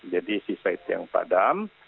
jadi sisa itu yang padam